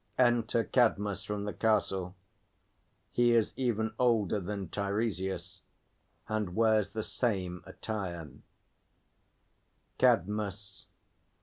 Enter CADMUS from the Castle. He is even older than TEIRESIAS, and wears the same attire. CADMUS.